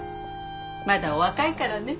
まだお若いからね。